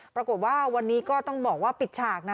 ปรากฏว่าวันนี้ก็ต้องบอกว่าปิดฉากนะ